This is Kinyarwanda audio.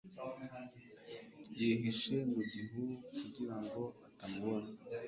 Yihishe mu gihuru kugira ngo batamubona